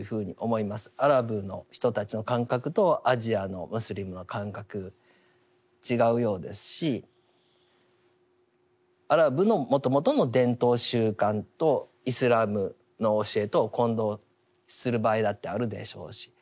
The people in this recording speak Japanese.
アラブの人たちの感覚とアジアのムスリムの感覚違うようですしアラブのもともとの伝統習慣とイスラムの教えとを混同する場合だってあるでしょうし。